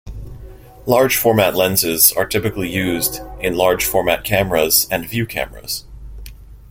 Large format lenses are typically used in large format cameras and view cameras.